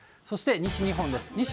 そして西日本です。